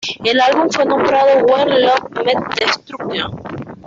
El álbum fue nombrado When Love Met destruction.